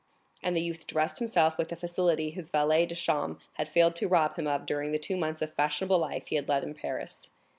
And the youth dressed himself with a facility his valet de chambre had failed to rob him of during the two months of fashionable life he had led in Paris.